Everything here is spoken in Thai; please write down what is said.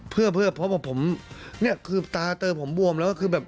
เพื่อเพราะว่าผมเนี่ยคือตาเติมผมบวมแล้วก็คือแบบ